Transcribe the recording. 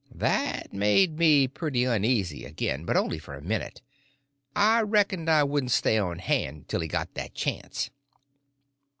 That made me pretty uneasy again, but only for a minute; I reckoned I wouldn't stay on hand till he got that chance.